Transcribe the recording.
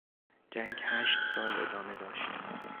جنگ هشت سال ادامه داشت.